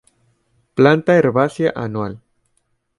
Planta herbácea, anual.